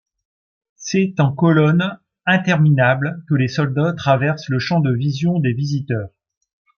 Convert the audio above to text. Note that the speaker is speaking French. C'est en colonnes interminables que les soldats traversent le champ de vision des visiteurs.